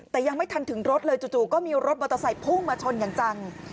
แต่ยังไม่ทันถึงรถเลยจู่ก็มีรถมอเตอร์ไซค์พุ่งมาชนอย่างจัง